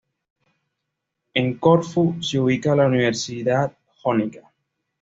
En Corfú se ubica la Universidad Jónica.